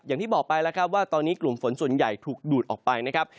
อย่างที่บอกไปแล้วครับว่าตอนนี้กลุ่มฝนส่วนใหญ่ถูกดูดออกไปนะครับ